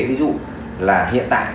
ví dụ là hiện tại